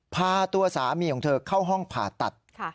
พาตัวสามีของเธอเข้าห้องผ่าตัด